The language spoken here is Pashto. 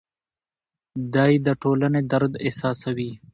دی د ټولنې درد احساسوي.